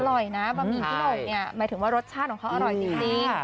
อร่อยนะบะหมี่ขมกเนี่ยหมายถึงว่ารสชาติของเขาอร่อยจริง